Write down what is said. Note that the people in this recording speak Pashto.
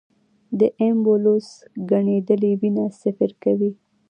د ایمبولوس ګڼېدلې وینه سفر کوي.